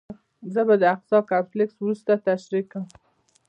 زه به د اقصی کمپلکس وروسته تشریح کړم.